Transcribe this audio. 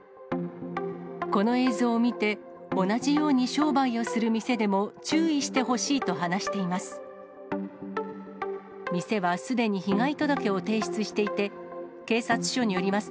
この映像を見て、同じように商売をする店でも、注意してほしいと話しています。